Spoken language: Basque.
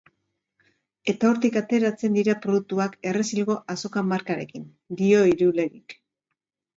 Eta hortik ateratzen dira produktuak Errezilgo Azoka markarekin, dio Irulegik.